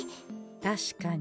確かに。